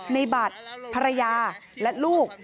ในบัตรภรรยาและลูก